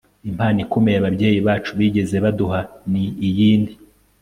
impano ikomeye ababyeyi bacu bigeze baduha ni iyindi